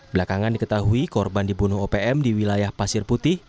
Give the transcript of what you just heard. belakangan diketahui korban dibunuh opm di wilayah pasir putih